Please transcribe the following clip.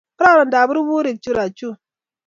Kororon taborborik churachun